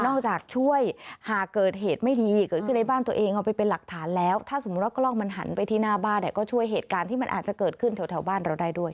จากช่วยหากเกิดเหตุไม่ดีเกิดขึ้นในบ้านตัวเองเอาไปเป็นหลักฐานแล้วถ้าสมมุติว่ากล้องมันหันไปที่หน้าบ้านเนี่ยก็ช่วยเหตุการณ์ที่มันอาจจะเกิดขึ้นแถวบ้านเราได้ด้วย